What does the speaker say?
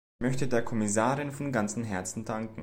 Ich möchte der Kommissarin von ganzem Herzen danken.